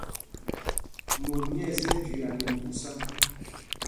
Mot nyɛ̂ɛs ɛ́ jüiá nɛ kūsā.